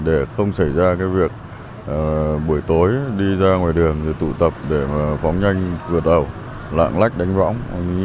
để không xảy ra cái việc buổi tối đi ra ngoài đường rồi tụ tập để phóng nhanh vượt ẩu lạng lách đánh võng